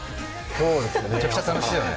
そうですね、めちゃくちゃ楽しいよね。